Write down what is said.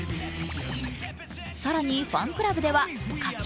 更にファンクラブでは描き